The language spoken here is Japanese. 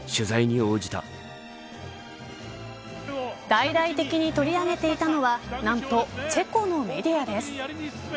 大々的に取り上げていたのはなんと、チェコのメディアです。